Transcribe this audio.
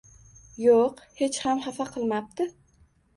Yo‘q, hecham xafa qilmabdi.